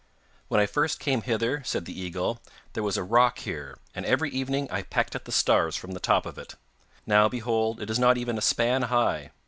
'When I first came hither,' said the eagle, 'there was a rock here, and every evening I pecked at the stars from the top of it. Now, behold, it is not even a span high!